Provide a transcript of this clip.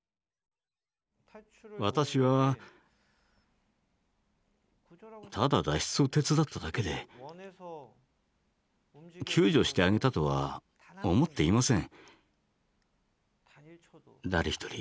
私はただ脱出を手伝っただけで救助してあげたとは思っていません。